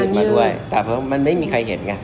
เลี้ยนที่เป็นกางเกงกางเงียนกางเงียนแบบนี้